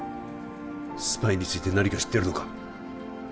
スパイについて何か知ってるのか？